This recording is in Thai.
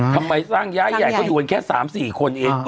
ไปสร้างย้ายใหญ่ก็อยู่กันแค่๓๔คนเอง